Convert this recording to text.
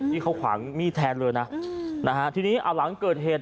นี่เขาขวางมีดแทนเลยนะนะฮะทีนี้เอาหลังเกิดเหตุ